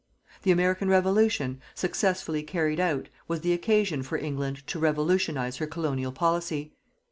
The American Revolution, successfully carried out, was the occasion for England to revolutionize her Colonial Policy.